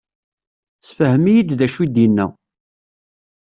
Sefhem-iyi-d d acu i d-inna.